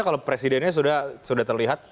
kalau presidennya sudah terlihat